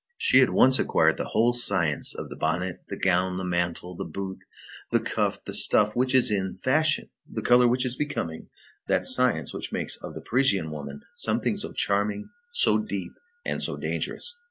She at once acquired the whole science of the bonnet, the gown, the mantle, the boot, the cuff, the stuff which is in fashion, the color which is becoming, that science which makes of the Parisian woman something so charming, so deep, and so dangerous.